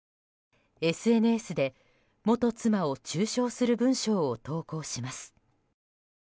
ＳＮＳで元妻を中傷する文章を投稿します。